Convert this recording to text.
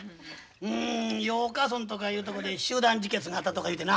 うんヨウカ村とかいうとこで集団自決があったとかいうてな。